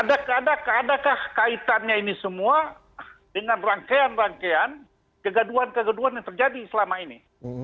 adakah adakah kaitannya ini semua dengan rangkaian rangkaian kegaduan kegaduan yang terjadi selama ini